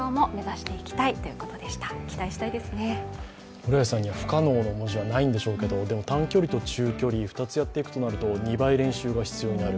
室谷さんには不可能の文字はないんでしょうけど、でも短距離と中距離、２つやっていくとなると２倍練習が必要になる。